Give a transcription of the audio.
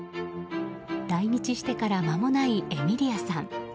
来日してからまもないエミリアさん。